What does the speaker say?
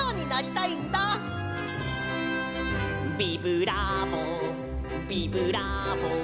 「ビブラーボビブラーボ」